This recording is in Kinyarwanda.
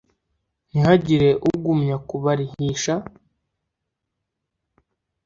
ntihagire ugumya kubarihisha